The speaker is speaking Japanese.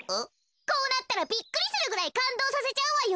こうなったらびっくりするぐらいかんどうさせちゃうわよ。